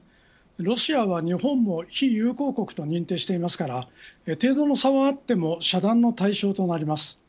ロシアは日本を非友好国と認定しているので程度の差はあっても遮断の対象となります。